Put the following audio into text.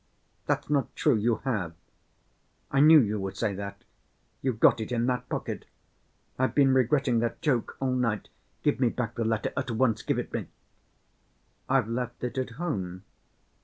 "That's not true, you have. I knew you would say that. You've got it in that pocket. I've been regretting that joke all night. Give me back the letter at once, give it me." "I've left it at home."